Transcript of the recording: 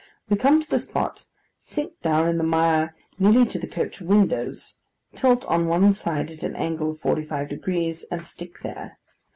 We come to the spot, sink down in the mire nearly to the coach windows, tilt on one side at an angle of forty five degrees, and stick there.